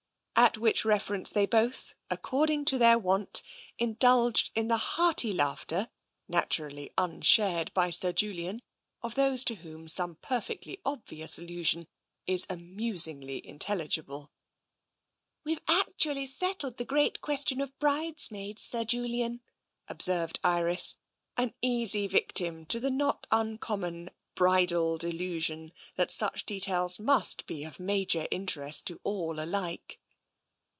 At which reference they both, according to their wont, indulged in the hearty laughter, naturally un shared by Sir Julian, of those to whom some perfectly obvious allusion is amusingly intelligible. " We've actually settled the great question of brides maids, Sir Julian," observed Iris, an easy victim to the not uncommon bridal delusion that such details must be of major interest to all alike.